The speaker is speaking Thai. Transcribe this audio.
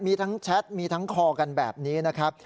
มีทั้งแชทมีทั้งคอกันแบบนี้นะครับ